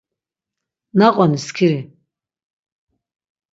Naqoni, skiri.